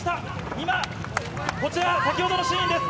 今、こちら、先ほどのシーンです。